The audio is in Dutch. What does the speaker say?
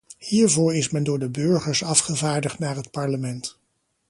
Hiervoor is men door de burgers afgevaardigd naar het parlement.